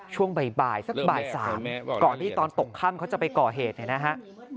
ช่วงบ่ายสักบ่าย๓ก่อนที่ตอนตกค่ำเขาจะไปก่อเหตุเนี่ยนะฮะ